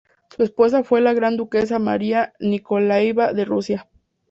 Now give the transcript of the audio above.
Su esposa fue la gran duquesa María Nikoláyevna de Rusia.